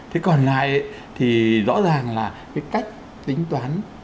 thế còn lại thì rõ ràng là cái cách tính toán